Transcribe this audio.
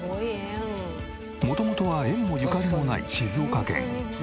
元々は縁もゆかりもない静岡県。